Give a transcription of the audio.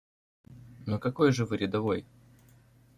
Ну какой же Вы рядовой?